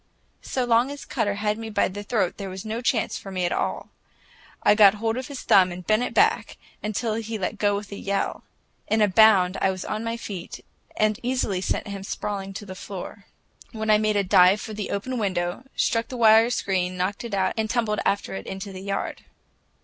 So long as Cutter had me by the throat, there was no chance for me at all. I got hold of his thumb and bent it back, until he let go with a yell. In a bound, I was on my feet, and easily sent him sprawling to the floor. Then I made a dive for the open window, struck the wire screen, knocked it out, and tumbled after it into the yard.